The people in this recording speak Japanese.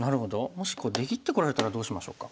もしこう出切ってこられたらどうしましょうか？